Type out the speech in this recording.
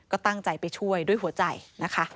ก็ตั้งใจไปช่วยด้วยหัวใจนะคะ